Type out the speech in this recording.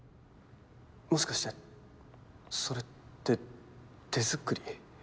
もしかしてそれって手作り？